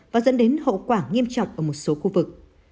và dẫn đến hậu quả nghiêm trọng ở một số khu vực